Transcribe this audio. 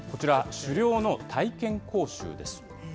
狩猟の体験講習です。